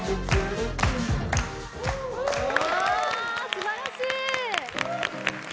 すばらしい！